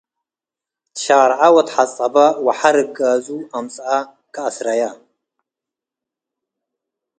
ትሻርዐ ወተሐጸበ ወሐ ርጋዙ አምጸአ ከአስረየ።